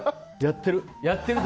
やってる。